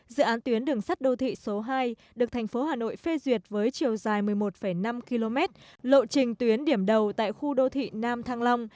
dự án tuyến đường sắt đô thị số hai được thành phố hà nội phê duyệt với chiều dài một mươi một năm km lộ trình tuyến điểm đầu tại khu đô thị nam thăng long